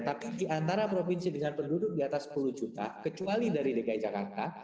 tapi di antara provinsi dengan penduduk di atas sepuluh juta kecuali dari dki jakarta